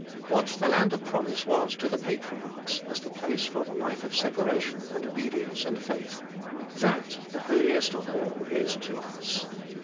What the land of promise was to the patriarchs, as the place for the life of separation and obedience and faith, that the Holiest of All is to us.